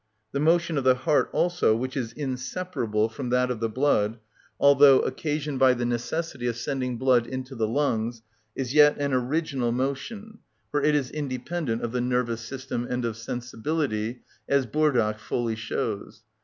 The motion of the heart also, which is inseparable from that of the blood, although occasioned by the necessity of sending blood into the lungs, is yet an original motion, for it is independent of the nervous system and of sensibility, as Burdach fully shows.